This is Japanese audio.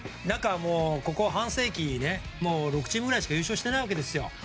もうここ半世紀６チームぐらいしか優勝してないわけですよ。